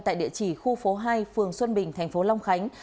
tại địa chỉ khu phố hai phường xuân bình thành phố long khánh